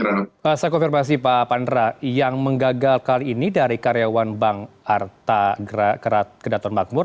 saya konfirmasi pak pandra yang menggagal kali ini dari karyawan bank arta kedaton makmur